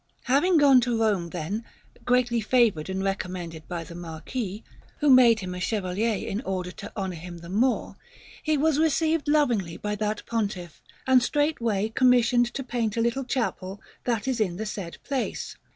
Having gone to Rome, then, greatly favoured and recommended by the Marquis, who made him a Chevalier in order to honour him the more, he was received lovingly by that Pontiff and straightway commissioned to paint a little chapel that is in the said place.